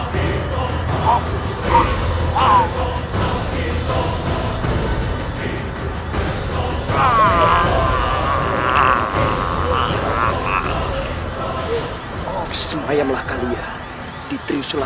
kenapa energinya datang secara tiba tiba